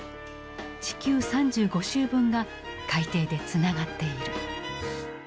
地球３５周分が海底でつながっている。